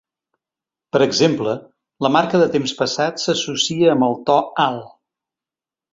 Per exemple, la marca de temps passat s'associa amb el to alt.